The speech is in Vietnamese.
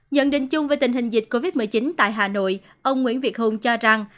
nhận định chung về tình hình dịch covid một mươi chín tại hà nội ông nguyễn việt hùng cho rằng